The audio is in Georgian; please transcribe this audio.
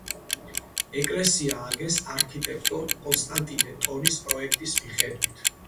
ეკლესია ააგეს არქიტექტორ კონსტანტინე ტონის პროექტის მიხედვით.